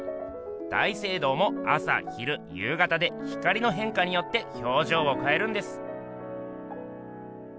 大聖堂も朝昼夕方で光のへんかによってひょうじょうをかえるんです。